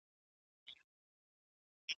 ولي ثبات په نړیواله کچه ارزښت لري؟